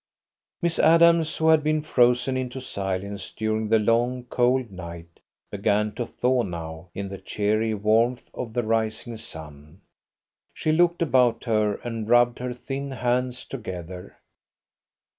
Miss Adams, who had been frozen into silence during the long cold night, began to thaw now in the cheery warmth of the rising sun. She looked about her, and rubbed her thin hands together.